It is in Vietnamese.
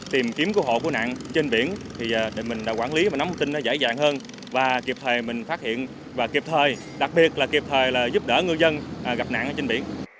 tìm kiếm cứu hộ của nạn trên biển thì mình đã quản lý và nắm tin giải dạng hơn và kịp thời mình phát hiện và kịp thời đặc biệt là kịp thời giúp đỡ ngư dân gặp nạn trên biển